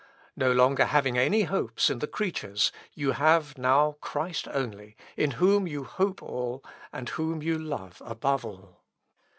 No longer having any hopes in the creatures, you have now Christ only, in whom you hope all, and whom you love above all.